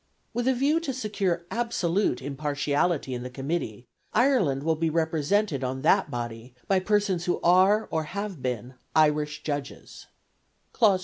With a view to secure absolute impartiality in the committee, Ireland will be represented on that body by persons who are or have been Irish judges (clause 25).